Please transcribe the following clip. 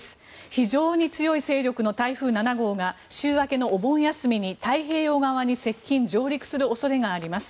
非常に強い勢力の台風７号が週明けのお盆休みに太平洋側に接近・上陸する恐れがあります。